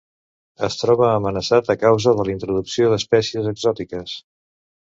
Es troba amenaçat a causa de la introducció d'espècies exòtiques.